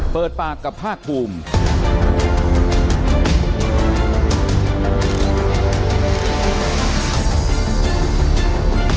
เปิดปากกับภาคภูมิ